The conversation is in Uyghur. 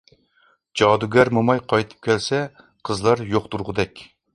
جادۇگەر موماي قايتىپ كەلسە، قىزلار يوق تۇرغۇدەك.